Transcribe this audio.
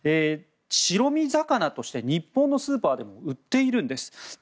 白身魚として日本のスーパーでも売っているんです。